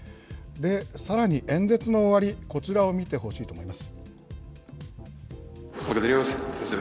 さらに演説の終わり、こちらを見てほしいと思います。